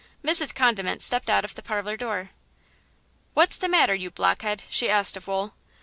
Mrs. Condiment stepped out of the parlor door. "What's the matter, you blockhead?" she asked of Wool.